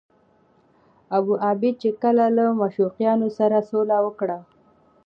ابوعبیده چې کله له دمشقیانو سره سوله وکړه.